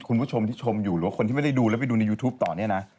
คุณผู้ชมที่ชมอยู่หรือว่าคนที่ไม่ได้ดูแล้วไปดูในยูทูปต่อเนี่ยนะ